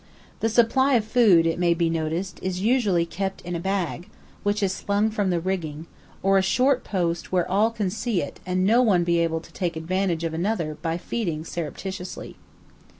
The supply of food, it may be noticed, is usually kept in a bag, which is slung from the rigging, or a short post where all can see it and no one be able to take advantage of another by feeding surreptitiously.